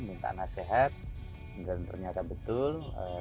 minta nasihat dan ternyata betul